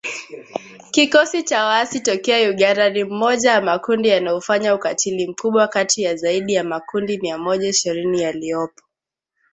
Kikosi cha Waasi tokea Uganda ni mmoja ya makundi yanayofanya ukatili mkubwa kati ya zaidi ya makundi Mia Moja ishirini yaliyopo